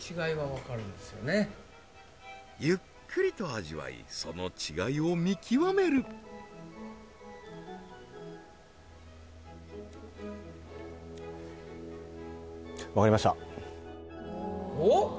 ゆっくりと味わいその違いを見極めるわかった？